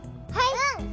はい！